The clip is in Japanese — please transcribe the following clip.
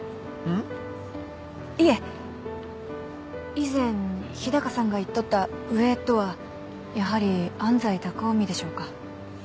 以前日高さんが言っとった「上」とはやはり安斎高臣でしょうか。